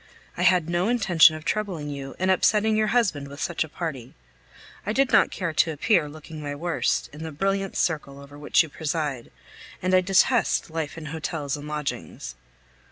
I had no intention of troubling you and upsetting your husband with such a party. I did not care to appear, looking my worst, in the brilliant circle over which you preside, and I detest life in hotels and lodgings.